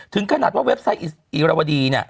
ถึงขนาดว่าเว็บไซต์อีรวดีเนี่ย